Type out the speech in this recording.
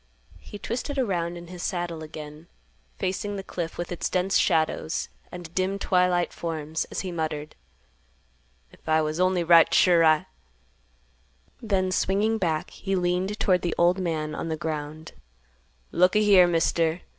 He twisted around in his saddle again, facing the cliff with its dense shadows and dim twilight forms, as he muttered, "If I was only right sure, I—" Then swinging back he leaned toward the man on the ground; "Look a here, Mister.